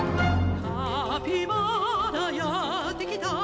「カピバラやってきた」